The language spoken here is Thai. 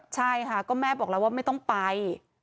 ใช่ค่ะก็แม่บอกแล้วว่าไม่ต้องไป